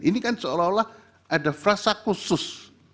ini kan seolah olah ada frasa khusus